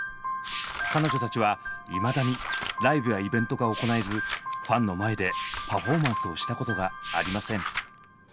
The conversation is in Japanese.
彼女たちはいまだにライブやイベントが行えずファンの前でパフォーマンスをしたことがありません。